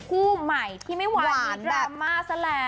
คู่ใหม่ที่ไม่ไหวมีดราม่าซะแล้ว